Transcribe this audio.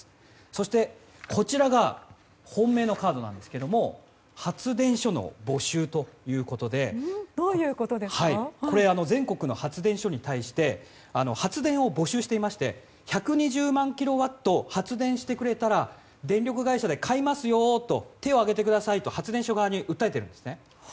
そして、こちらが本命のカードなんですが発電所の募集ということでこれは全国の発電所に対して発電を募集していまして１２０万キロワット発電してくれたら電力会社で買いますよと手を上げてくださいと発電所側に訴えているんです。